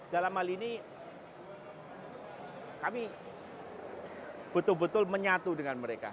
dalam hal ini kami betul betul menyatu dengan mereka